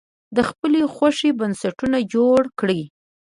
د خپلې خوښې بنسټونه جوړ کړي.